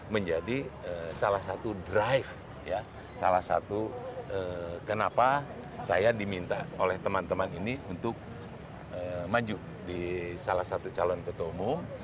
menjadi salah satu drive salah satu kenapa saya diminta oleh teman teman ini untuk maju di salah satu calon ketua umum